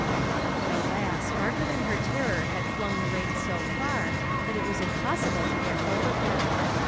But, alas! Margaret in her terror had flung the reins so far that it was impossible to get hold of them.